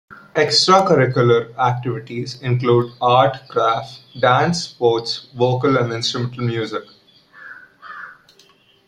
Extracurricular activities include art, craft, dance, sports, vocal and instrumental music.